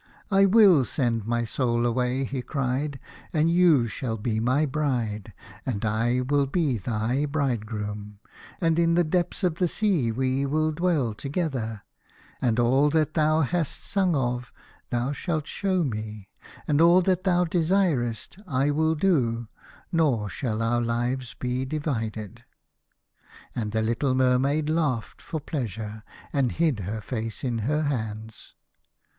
" I will send my soul away," he cried, "and you shall be my bride, and I will be thy bridegroom, and in the depth of the sea we will dwell together, and all that thou hast sung of thou shalt show me, and all that thou desirest I will do, norshall our lives be divided." And the little Mermaid laughed forpleasure, and hid her face in her hands.